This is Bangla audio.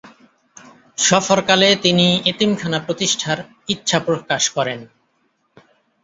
সফরকালে তিনি এতিমখানা প্রতিষ্ঠার ইচ্ছা প্রকাশ করেন।